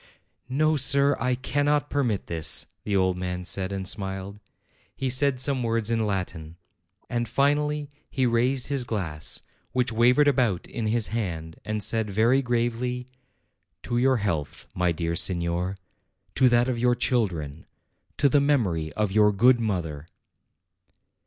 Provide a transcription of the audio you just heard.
"No, sir; I cannot permit this," the old man said, and smiled. He said some words in Latin. And, finally, he raised his glass, which wavered about in his hand, and said very gravely. "To your health, my dear signer, to that of your children, to the memory of your good mother!"